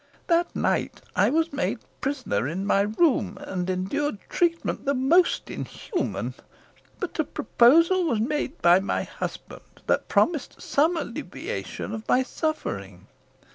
That night I was made prisoner in my room, and endured treatment the most inhuman. But a proposal was made by my husband, that promised some alleviation of my suffering.